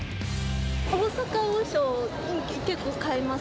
大阪王将の、結構買います。